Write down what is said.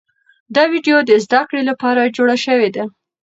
دا ویډیو د زده کړې لپاره جوړه شوې ده.